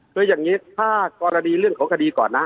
คืออย่างนี้ถ้ากรณีเรื่องของคดีก่อนนะ